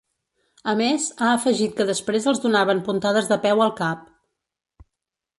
A més, ha afegit que després els donaven puntades de peu al cap.